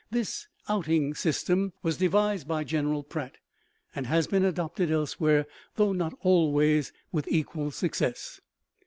This "outing system" was devised by General Pratt, and has been adopted elsewhere, though not always with equal success.